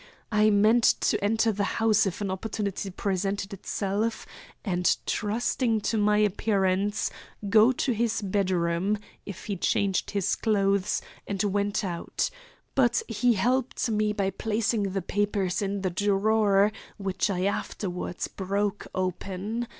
I meant to enter the house if an opportunity presented itself, and, trusting to my appearance, go to his bedroom, if he changed his clothes and went out. But he helped me by placing the papers in the drawer which I afterwards broke open.